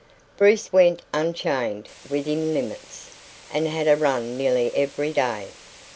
Bruce went unchained, within limits, and had a run nearly every day.